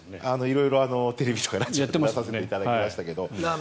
色々、テレビとかラジオに出させていただきましたが。